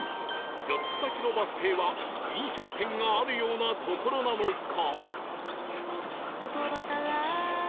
４つ先のバス停は飲食店があるような所なのか？